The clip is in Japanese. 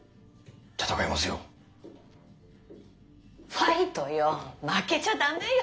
ファイトよ負けちゃ駄目よ。